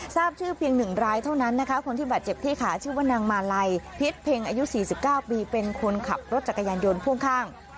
ทราบชื่อเพียง๑รายเท่านั้นนะคะคนที่บาดเจ็บที่ขาชื่อว่านางมาลัยพิษเพ็งอายุ๔๙ปีเป็นคนขับรถจักรยานยนต์พ่วงข้าง